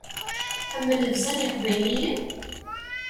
Tḥemmel llebsa n yeqbayliyen?